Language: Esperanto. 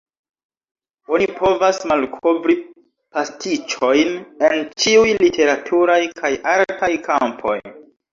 Oni povas malkovri pastiĉojn en ĉiuj literaturaj kaj artaj kampoj.